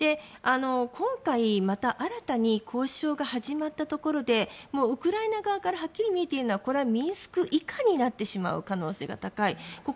今回、新たに交渉が始まったところでウクライナ側からはっきり見えているのはミンスク以下になってしまう可能性が高い。